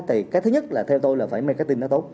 thì cái thứ nhất là theo tôi là phải make a team nó tốt